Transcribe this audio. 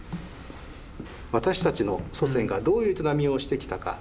私たちの祖先がどういう営みをしてきたか？